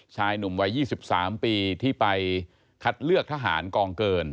ชายหนุ่มวัย๒๓ปีที่ไปคัดเลือกทหารกองเกิน